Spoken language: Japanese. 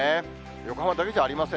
横浜だけじゃありません。